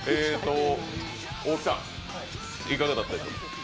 大木さん、いかがだったでしょう？